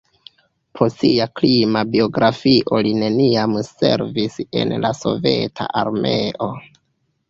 Pro sia krima biografio li neniam servis en la Soveta Armeo.